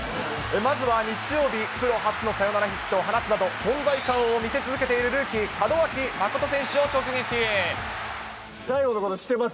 まずは日曜日、プロ初のサヨナラヒットを放つなど、存在感を見せ続けているルーＤＡＩＧＯのこと知ってます？